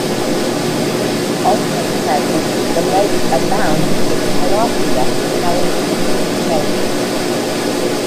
Also present, the lake abounds with tilapia housed in fish cages.